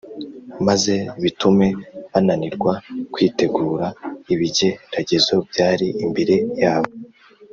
maze bitume bananirwa kwitegura ibigeragezo byari imbere yabo